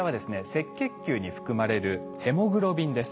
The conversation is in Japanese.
赤血球に含まれるヘモグロビンです。